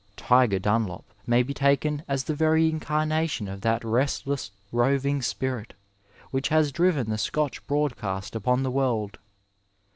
^^ Tiger " Dunlop may be taken as the very incarnation of that restless roving spirit which has driven the Scotch broadcast upon the world.